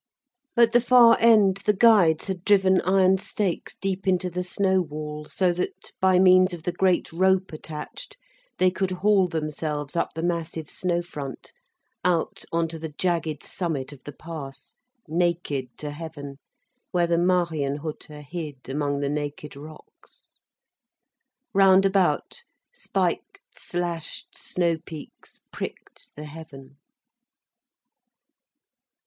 At the far end, the guides had driven iron stakes deep into the snow wall, so that, by means of the great rope attached, they could haul themselves up the massive snow front, out on to the jagged summit of the pass, naked to heaven, where the Marienhütte hid among the naked rocks. Round about, spiked, slashed snow peaks pricked the heaven.